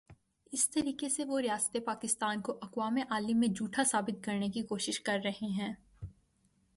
اس طریقے سے وہ ریاست پاکستان کو اقوام عالم میں جھوٹا ثابت کرنے کی کوشش کررہے ہیں۔